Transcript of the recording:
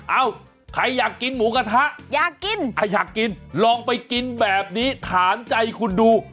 เอ้าใครอยากกินหมูกระทะอยากกินอยากกินลองไปกินแบบนี้ถามใจคุณดู